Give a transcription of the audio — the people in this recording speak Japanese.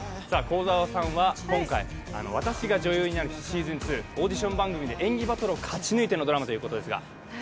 幸澤さんは今回、『私が女優になる日＿』ｓｅａｓｏｎ２、オーディション番組で演技バトルを勝ち抜いてのドラマですが。